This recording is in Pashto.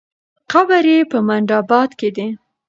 قبر یې په منډآباد کې دی.